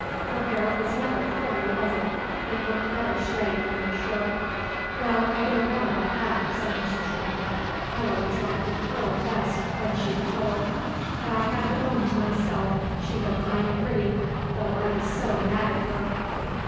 "Her hair was never curly, was it. It looked better straight, I'm sure." "Well, I don't know about that," said Mrs. Talcott. "I always like it curled best, when she was little. But I had to own to myself she looked mighty pretty, though I was so mad at her."